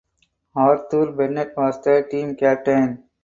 Arthur Bennett was the team captain.